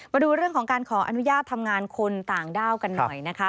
มาดูเรื่องของการขออนุญาตทำงานคนต่างด้าวกันหน่อยนะคะ